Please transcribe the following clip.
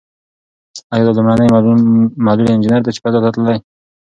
ایا دا لومړنۍ معلول انجنیر ده چې فضا ته تللې؟